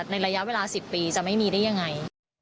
ระยะเวลา๑๐ปีจะไม่มีได้ยังไง